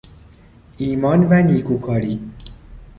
ایمان و نیکوکاری